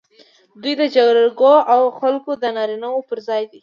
دوی د جرګو او مرکو د نارینه و پر ځای دي.